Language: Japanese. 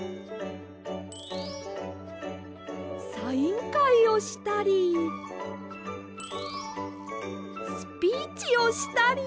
サインかいをしたりスピーチをしたり。